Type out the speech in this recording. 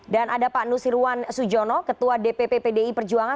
dan ada pak nusirwan sujono ketua dpp pdi perjuangan